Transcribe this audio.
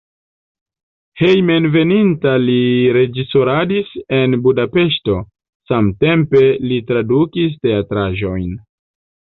Hejmenveninta li reĝisoradis en Budapeŝto, samtempe li tradukis teatraĵojn.